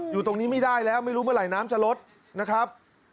อยู่ตรงนี้ไม่ได้แล้วไม่รู้เมื่อไหร่น้ำจะลดนะครับ